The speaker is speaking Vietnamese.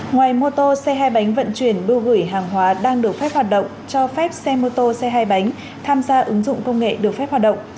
ngoài mô tô xe hai bánh vận chuyển bưu gửi hàng hóa đang được phép hoạt động cho phép xe mô tô xe hai bánh tham gia ứng dụng công nghệ được phép hoạt động